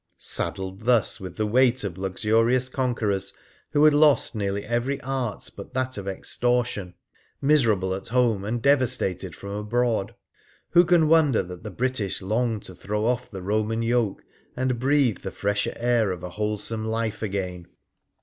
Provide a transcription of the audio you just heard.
Saddled thus with the weight of luxurious conquerors who had lost nearly every art but that of extortion, miserable at home, and devastated from abroad, who can wonder that the British longed to throw off the Roman yoke and breathe the fresher air of a wholesome life again